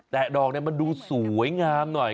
แต่ดอกมันดูสวยงามหน่อย